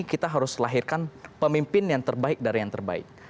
kita harus lahirkan pemimpin yang terbaik dari yang terbaik